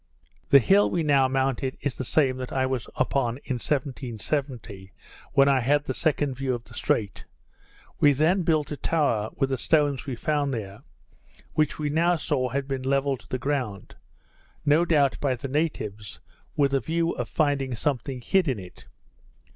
The hill we now mounted is the same that I was upon in 1770, when I had the second view of the Strait: We then built a tower, with the stones we found there, which we now saw had been levelled to the ground; no doubt by the natives, with a view of finding something hid in it.